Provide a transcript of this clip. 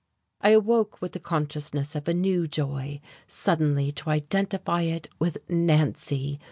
I awoke with the consciousness of a new joy, suddenly to identify it with Nancy.